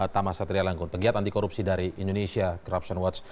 tama satria langkun pegiat anti korupsi dari indonesia corruption watch